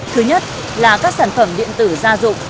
thứ nhất là các sản phẩm điện tử kém an toàn